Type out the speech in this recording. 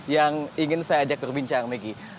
yang ingin saya ajak berbincang maggie